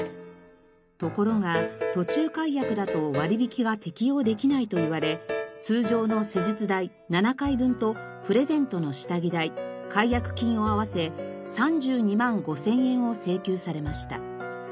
ところが途中解約だと割引が適用できないと言われ通常の施術代７回分とプレゼントの下着代解約金を合わせ３２万５千円を請求されました。